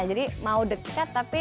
jadi mau dekat tapi tidak bisa